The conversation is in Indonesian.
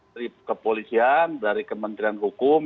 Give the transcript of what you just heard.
dari kepolisian dari kementerian hukum